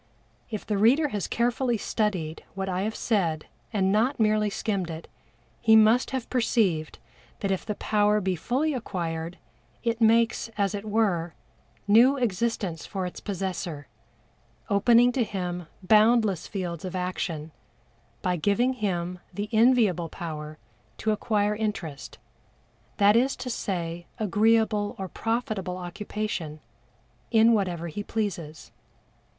If the reader has carefully studied what I have said and not merely skimmed it, he must have perceived that if the power be fully acquired, it makes, as it were, new existence for its possessor, opening to him boundless fields of action by giving him the enviable power to acquire interest that is to say agreeable or profitable occupation in whatever he pleases.